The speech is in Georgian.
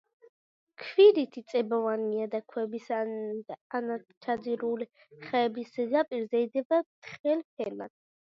ქვირითი წებოვანია და ქვების, ანაც ჩაძირული ხეების ზედაპირზე იდება თხელ ფენად.